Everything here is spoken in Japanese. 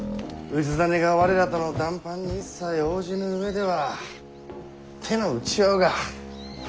氏真が我らとの談判に一切応じぬ上では手の打ちようが。